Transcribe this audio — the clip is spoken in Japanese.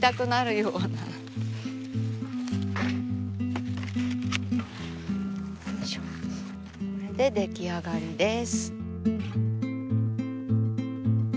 よいしょこれで出来上がりです。